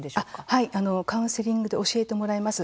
はい、カウンセリングで教えてもらえます。